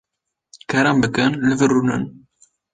Kerem bikin, li vir rûnin.